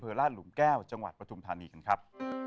เผลอราชหลุมแก้วจังหวัดปฐุมธานีครับ